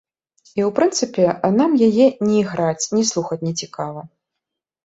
І ў прынцыпе, нам яе ні іграць, ні слухаць нецікава.